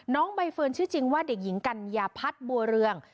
น้องใบเฟิร์นชื่อจริงว่าเด็กหญิงกัญญาพัฒน์บัวเรือง